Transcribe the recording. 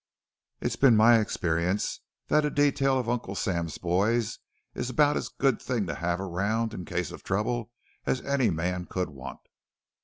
It's been my experience that a detail of Uncle Sam's boys is about as good a thing to have around in case of trouble as any man could want."